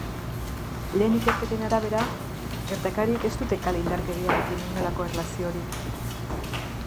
Lehen ikerketen arabera, gertarakariek ez dute kale-indarkeriarekin inolako erlaziorik.